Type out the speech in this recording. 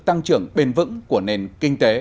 tăng trưởng bền vững của nền kinh tế